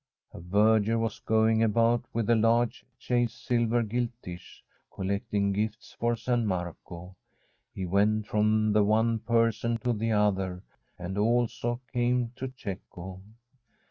A verger was going about with a large chased silver gilt dish, collecting gifts for San Marco. He went from the one person to the other, and also came to Cecco.